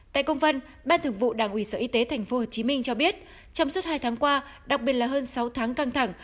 tại công văn ban thường vụ đảng ủy sở y tế tp hcm cho biết trong suốt hai tháng qua đặc biệt là hơn sáu tháng căng thẳng